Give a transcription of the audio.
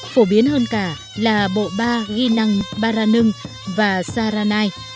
phổ biến hơn cả là bộ ba ghi năng ba ra nương và saranai